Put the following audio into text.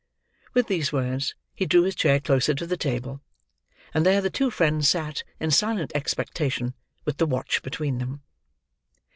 With these words he drew his chair closer to the table; and there the two friends sat, in silent expectation, with the watch between them.